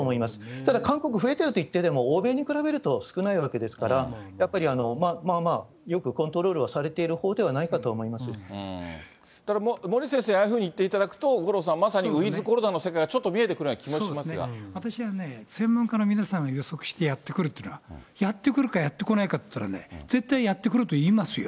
ただ、韓国増えてるといっていても、欧米に比べると少ないわけですから、やっぱりまあまあよくコントロールはされている方ではないかと思森内先生、ああいうふうに言っていただくと、五郎さん、まさにウィズコロナの世界がちょっと私はね、専門家の皆さん、予測してやって来るというのは、やって来るか、やって来ないかといったら絶対やって来るといいますよ。